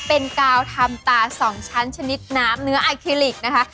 เป็นกาวทำตา๒ชั้นชนิดน้ำเนื้อไอคิลิกนะคะ